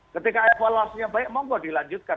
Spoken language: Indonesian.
ketika evaluasinya baik monggo dilanjutkan